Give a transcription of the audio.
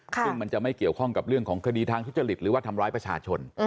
ซึ่งมันจะไม่เกี่ยวข้องกับเรื่องของคดีทางทุจริตหรือว่าทำร้ายประชาชน